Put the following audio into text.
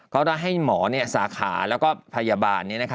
ก็ได้ให้หมอสาขาแล้วก็พยาบาล